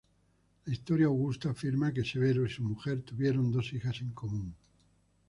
La Historia Augusta afirma que Severo y su mujer tuvieron dos hijas en común.